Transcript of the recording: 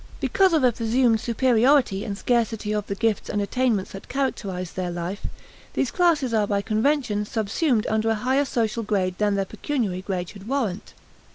Because of a presumed superiority and scarcity of the gifts and attainments that characterize their life, these classes are by convention subsumed under a higher social grade than their pecuniary grade should warrant.